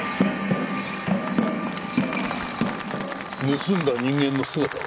盗んだ人間の姿は？